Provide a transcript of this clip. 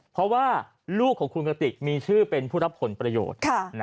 เพราะว่าลูกของคุณกติกมีชื่อเป็นผู้รับผลประโยชน์